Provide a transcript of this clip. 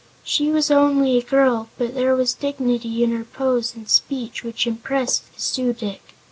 She was only a girl, but there was dignity in her pose and speech which impressed the Su dic.